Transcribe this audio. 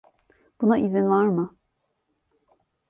Buna izin var mı?